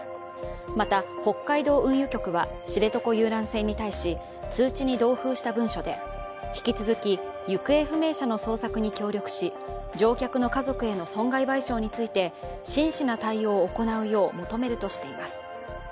また、北海道運輸局は知床遊覧船に対し通知に同封した文書で、引き続き行方不明者の捜索に協力し乗客の家族への損害賠償について真摯な対応を行うよう求めるとしています。